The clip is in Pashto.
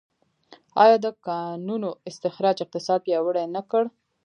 آیا د کانونو استخراج اقتصاد پیاوړی نه کړ؟